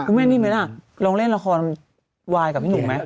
คือแม่นี่ไหมล่ะลองเล่นละครวายกับพี่หนุ่มไหม